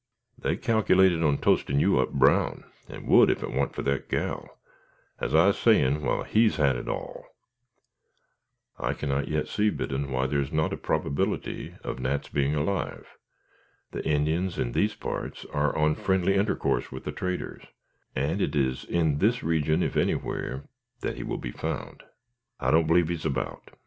They cac'lated on toastin' you up brown, and would ef it want fur that gal, as I's sayin' while he's had it all." "I cannot yet see, Biddon, why there is not a probability of Nat's being alive. The Indians in these parts are on friendly intercourse with the traders, and it is in this region, if anywhere, that he will be found." "I don't b'lieve he's about.